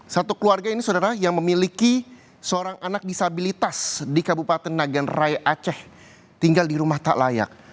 satu keluarga ini saudara yang memiliki seorang anak disabilitas di kabupaten nagan raya aceh tinggal di rumah tak layak